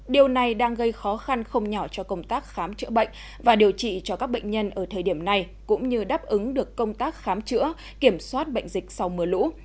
điều này đang gây khó khăn không nhỏ cho công tác khám chữa bệnh và điều trị cho các bệnh nhân ở thời điểm này cũng như đáp ứng được công tác khám chữa kiểm soát bệnh dịch sau mưa lũ